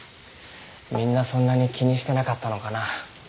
みんなそんなに気にしてなかったのかな。